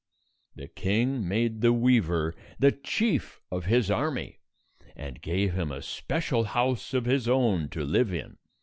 The king made the weaver the chief of his army, and gave him a special house of his own to live in.